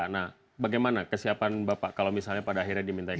nah bagaimana kesiapan bapak kalau misalnya pada akhirnya diminta izin